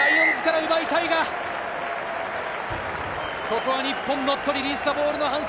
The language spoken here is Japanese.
ここは日本、ノットリリースザボールの反則。